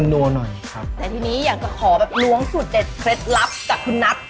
นัวหน่อยครับแต่ทีนี้อยากจะขอแบบล้วงสูตรเด็ดเคล็ดลับจากคุณนัท